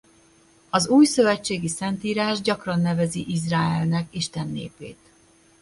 Az újszövetségi Szentírás gyakran nevezi Izráelnek Isten népét.